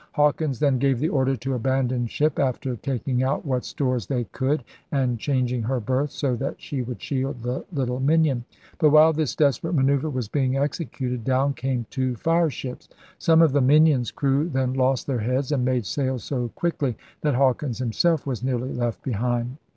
Hawkins then gave the order to abandon ship after taking out what stores they could and changing her berth so that she would shield the little Minion, But while this desperate manoeuvre was being executed down came two fire ships. Some of the Minion's crew then lost their heads and made sail so quickly that Hawkins himself was nearly left behind.